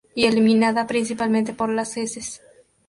Y eliminada principalmente por las heces.